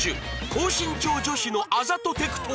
高身長女子のあざとテクとは？